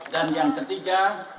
dan yang ketiga